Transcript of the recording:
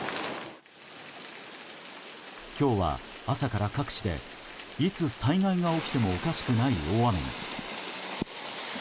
今日は朝から各地でいつ災害が起きてもおかしくない大雨に。